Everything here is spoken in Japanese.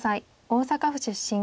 大阪府出身。